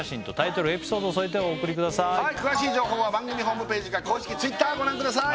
詳しい情報は番組ホームページか公式Ｔｗｉｔｔｅｒご覧ください